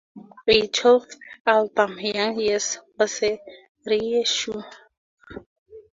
A twelfth album, "Young Years," was a reissue.